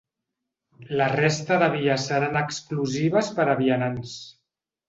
La resta de vies seran exclusives per a vianants.